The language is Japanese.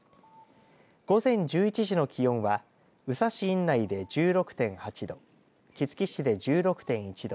午前１１時の気温は宇佐市院内で１６．８度杵築市で１６．１度